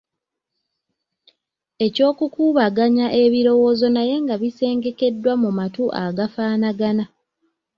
Eky'okukubaganya ebirowoozo naye nga bisengekeddwa mu matu agafaanagana.